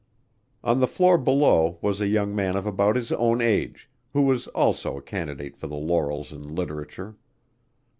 On the floor below was a young man of about his own age, who was also a candidate for the laurels in literature.